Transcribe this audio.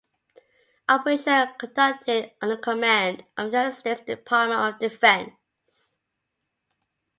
Operations are conducted under command of the United States Department of Defense.